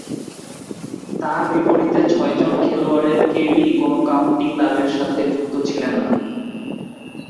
তার বিপরীতে ছয়জন খেলোয়াড়ের কেউই কোন কাউন্টি ক্লাবের সাথে যুক্ত ছিলেন না।